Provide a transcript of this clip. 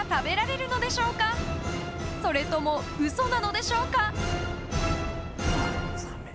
［それとも嘘なのでしょうか？］